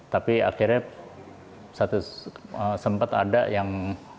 tapi akhirnya satu sempat ada yang